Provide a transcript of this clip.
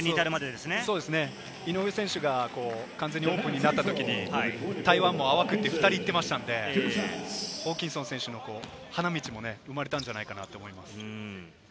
井上選手が完全にオープンになったときに、台湾もあわくって２人いってましたんで、ホーキンソン選手の花道も生まれたんじゃないかなって思います。